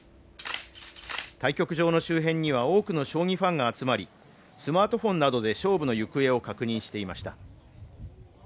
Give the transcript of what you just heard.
対局場の周辺には多くの将棋ファンが集まり、スマートフォンなどで勝負の行方を確認していました。